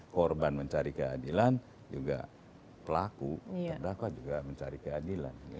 korban mencari keadilan juga pelaku terdakwa juga mencari keadilan